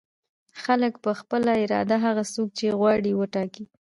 خلک په خپله اراده هغه څوک چې غواړي وټاکي.